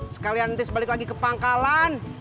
sekalian nanti sebalik lagi ke pangkalan